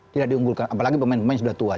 tidak diunggulkan apalagi pemain pemain sudah tua